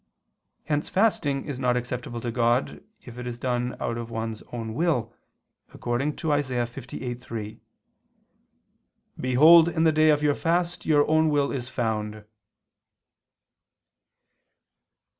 Hence fasting is not acceptable to God if it is done of one's own will, according to Isa. 58:3, "Behold in the day of your fast your own will is found."